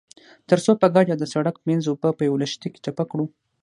ترڅو په ګډه د سړک منځ اوبه په يوه لښتي کې چپه کړو.